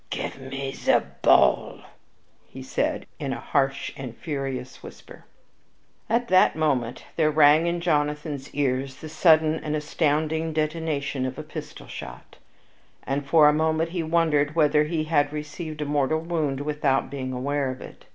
"Give me ze ball!" he said, in a harsh and furious whisper. At the moment there rang in Jonathan's ears the sudden and astounding detonation of a pistol shot, and for a moment he wondered whether he had received a mortal wound without being aware of it.